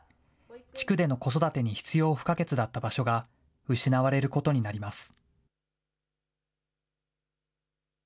地区での子育てに必要不可欠だった場所が失われることになります。